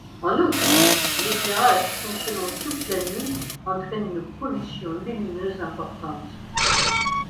En outre, l'éclairage fonctionnant toute la nuit entraîne une pollution lumineuse importante.